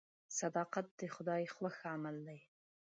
صداقت د خدای خوښ عمل دی.